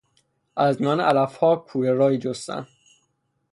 از میان علفها کوره راهی جستن